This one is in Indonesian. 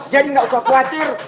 jadi nggak usah khawatir